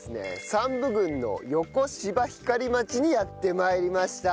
山武郡の横芝光町にやって参りました。